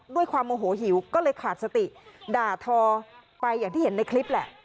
ด้วยความโมโหหิวก็เลยขาดสติด่าทอไปอย่างที่เห็นในคลิปแหละ